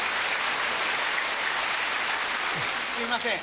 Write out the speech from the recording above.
すいません。